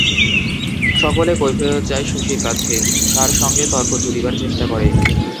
সকলে কৈফিয়ত চায় শশীর কাছে, তার সঙ্গে তর্ক জুড়িবার চেষ্টা করে।